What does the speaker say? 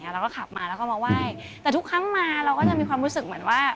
เราก็ขับมาแล้วก็มาไหว้แต่ทุกครั้งมาเราก็จะมีความรู้สึกเหมือนว่า